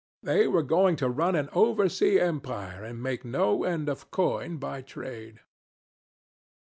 They were going to run an over sea empire, and make no end of coin by trade.